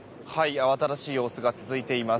慌ただしい様子が続いています。